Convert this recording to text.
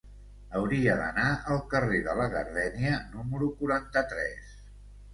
Hauria d'anar al carrer de la Gardènia número quaranta-tres.